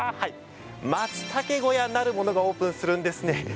まつたけ小屋なるものがオープンするんですね。